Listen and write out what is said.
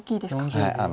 はい。